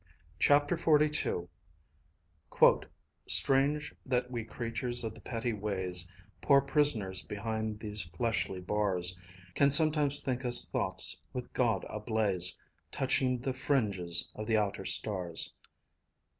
CHAPTER XLII "_Strange that we creatures of the petty ways, Poor prisoners behind these fleshly bars, Can sometimes think us thoughts with God ablaze, Touching the "fringes of the outer stars_.""